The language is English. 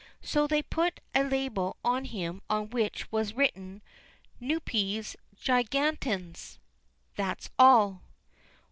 So they put a label on him on which was written: "Nudipes Gigantens." That's all.